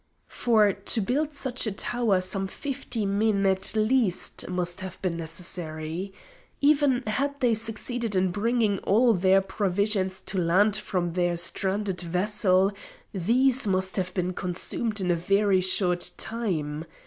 For to build such a tower some fifty men at least must have been necessary. Even had they succeeded in bringing all their provisions to land from their stranded vessel, these must have been consumed in a very short time.